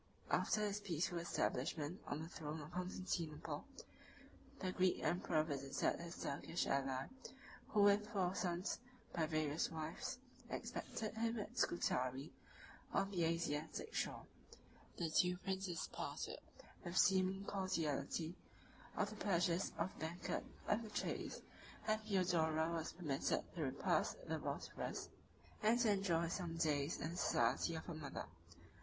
After his peaceful establishment on the throne of Constantinople, the Greek emperor visited his Turkish ally, who with four sons, by various wives, expected him at Scutari, on the Asiatic shore. The two princes partook, with seeming cordiality, of the pleasures of the banquet and the chase; and Theodora was permitted to repass the Bosphorus, and to enjoy some days in the society of her mother.